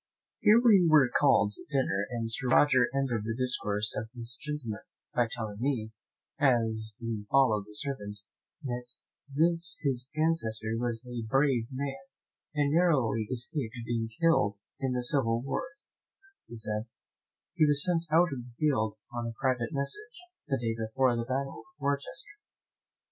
Here we were called to dinner, and Sir Roger ended the discourse of this gentleman, by telling me, as we followed the servant, that this his ancestor was a brave man, and narrowly escaped being killed in the civil wars; "For," said he, "he was sent out of the field upon a private message, the day before the battle of Worcester."